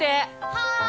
はい！